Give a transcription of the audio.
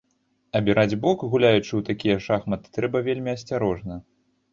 Абіраць бок, гуляючы ў такія шахматы, трэба вельмі асцярожна.